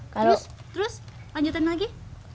terus terus lanjutin lagi